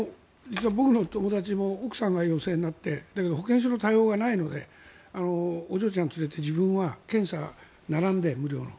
実は僕の友達も奥さんが陽性になってだけど保健所の対応がないのでお嬢ちゃんを連れて自分は無料の検査に並んで。